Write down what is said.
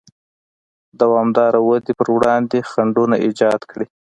دوامداره ودې پر وړاندې خنډونه ایجاد کړي.